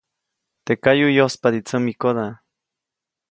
Teʼ kayuʼ yospadi tsämikoda.